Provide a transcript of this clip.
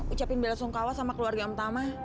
ucapin bela sungkawa sama keluarga yang pertama